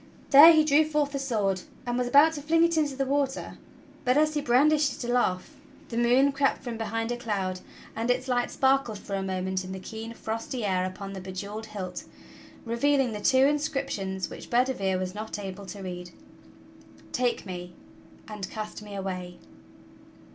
There he drew forth the sword and was about to fling it into the water, but, as he bran 152 THE STORY OF KING ARTHUR dished it aloft, the moon crept from behind a cloud and its light sparkled for a moment in the keen, frosty air upon the bejewelled hilt, revealing the two inscriptions which Bedivere was not able to read: "Take me" and "cast me away."